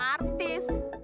gue kan pengen ketemu artis